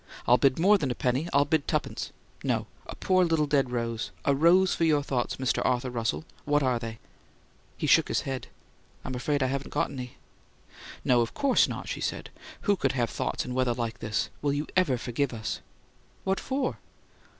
"I'll bid more than a penny; I'll bid tuppence no, a poor little dead rose a rose for your thoughts, Mr. Arthur Russell! What are they?" He shook his head. "I'm afraid I haven't any." "No, of course not," she said. "Who could have thoughts in weather like this? Will you EVER forgive us?" "What for?"